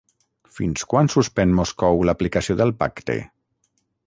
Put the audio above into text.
Fins quan suspèn Moscou l'aplicació del pacte?